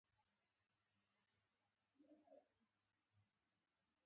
غوماشې له ځینو بویونو سره جذبېږي.